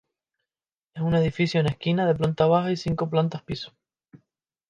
Es una edificación en esquina, de planta baja y cinco plantas piso.